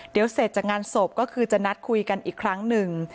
เดี๋ยวเสร็จจากงานศพก็คือจะนัดคุยกันอีกครั้งหนึ่ง